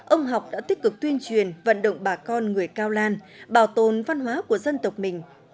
ông học đã tích cực tuyên truyền vận động bà con người cao lan bảo tồn văn hóa của dân tộc mình